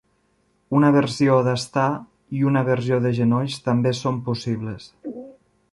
Una versió d'estar i una versió de genolls també són possibles.